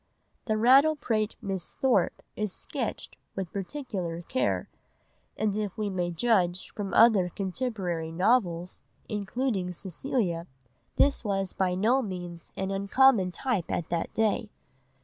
The rattle pate Miss Thorpe is sketched with particular care, and if we may judge from other contemporary novels, including Cecilia, this was by no means an uncommon type at that day.